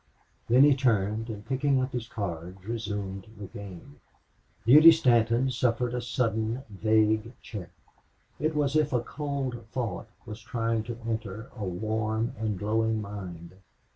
Then he turned and, picking up his cards, resumed the game. Beauty Stanton suffered a sudden vague check. It was as if a cold thought was trying to enter a warm and glowing mind.